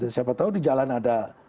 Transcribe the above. siapa tahu di jalan ada